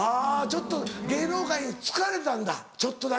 ちょっと芸能界に疲れたんだちょっとだけ。